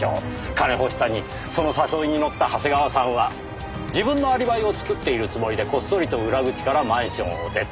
金欲しさにその誘いに乗った長谷川さんは自分のアリバイを作っているつもりでこっそりと裏口からマンションを出た。